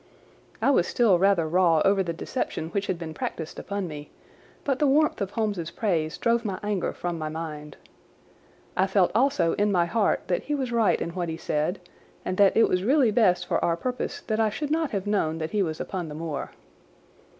I was still rather raw over the deception which had been practised upon me, but the warmth of Holmes's praise drove my anger from my mind. I felt also in my heart that he was right in what he said and that it was really best for our purpose that I should not have known that he was upon the moor.